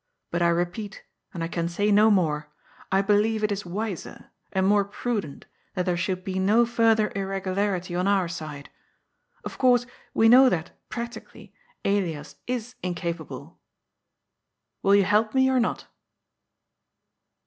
But I repeat, and I can say no more, I believe it is wiser, and more prudent, that there should be no further irregularity on our side. Of course we know that, practically, Elias is incapable. Will you help me, or not?''